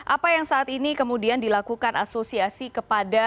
apa yang saat ini kemudian dilakukan asosiasi kepada